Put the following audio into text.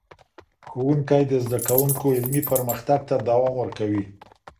ښوونکی د زدهکوونکو علمي پرمختګ ته دوام ورکوي.